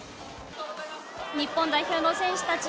日本代表の選手たち